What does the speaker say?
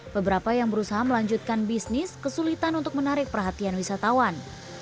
beberapa yang berusaha melanjutkan bisnis kesulitan untuk menarik perhatian wisatawan